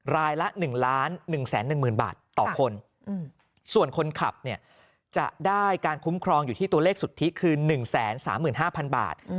รายละ๑๑๑๐๐๐บาทต่อคนส่วนคนขับเนี่ยจะได้การคุ้มครองอยู่ที่ตัวเลขสุทธิคือ๑๓๕๐๐๐บาท